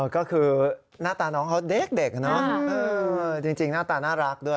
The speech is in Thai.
ก็คือหน้าตาน้องเขาเด็กเนอะจริงหน้าตาน่ารักด้วย